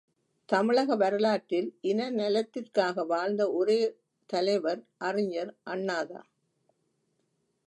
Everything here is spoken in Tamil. தமிழக வரலாற்றில் இன நலத்திற்காக வாழ்ந்த ஒரே தலைவர் அறிஞர் அண்ணாதான்.